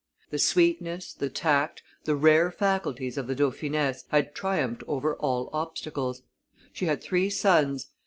The sweetness, the tact, the rare faculties of the dauphiness had triumphed over all obstacles. She had three sons.